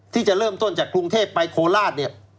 ที่จะเริ่มต้นจากกรุงเทพไปโคราชเนี่ย